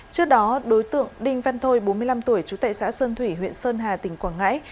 trước đó đối tượng đinh văn thôi bốn mươi năm tuổi trú tại xã sơn thủy huyện sơn hà tỉnh quảng ngãi